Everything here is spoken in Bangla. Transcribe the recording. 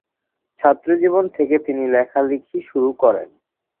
ছাত্রজীবন থেকে তিনি লেখালেখি শুরু করেন।